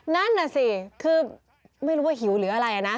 นั่นน่ะสิคือไม่รู้ว่าหิวหรืออะไรนะ